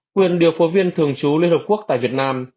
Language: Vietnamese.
quyền điều phối viên thường trú liên hợp quốc tại việt nam